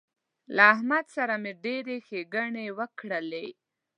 له احمد سره مې ډېرې ښېګڼې وکړلې